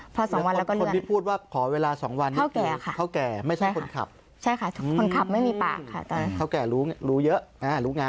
พอ๒วันแล้วก็เลื่อน